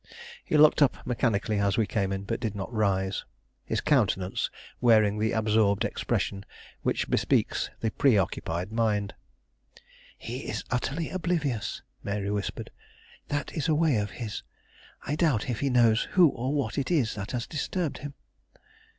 He looked up mechanically as we came in, but did not rise, his countenance wearing the absorbed expression which bespeaks the preoccupied mind. "He is utterly oblivious," Mary whispered; "that is a way of his. I doubt if he knows who or what it is that has disturbed him."